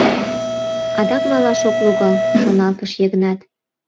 «Адак малаш ок логал», — шоналтыш Йыгнат.